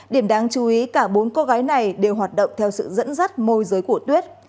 điểm đáng chú ý cả bốn cô gái này đều hoạt động theo sự dẫn dắt môi giới của tuyết